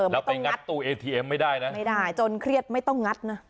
แล้วไปงัดตู้เอทีเอ็มไม่ได้นะไม่ได้จนเครียดไม่ต้องงัดนะ